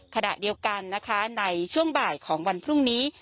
ขณะเดียวกันนะคะในช่วงบ่ายของวันพรุ่งนี้